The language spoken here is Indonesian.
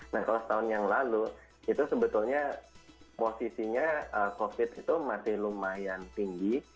nah kalau setahun yang lalu itu sebetulnya posisinya covid itu masih lumayan tinggi